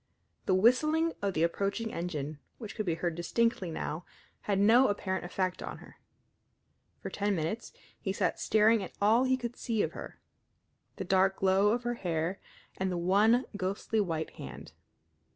The whistling of the approaching engine, which could be heard distinctly now, had no apparent effect on her. For ten minutes he sat staring at all he could see of her the dark glow of her hair and the one ghostly white hand.